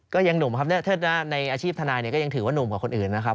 ก็ยังหนุ่มครับในอาชีพทนายก็ยังถือว่าหนุ่มกว่าคนอื่นนะครับ